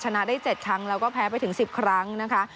ชนะได้เจ็ดครั้งแล้วก็แพ้ไปถึงสิบครั้งนะคะ